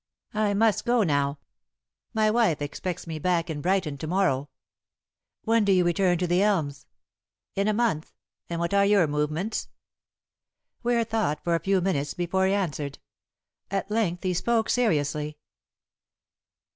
I must go now. My wife expects me back in Brighton to morrow." "When do you return to The Elms?" "In a month. And what are your movements?" Ware thought for a few minutes before he answered. At length he spoke seriously.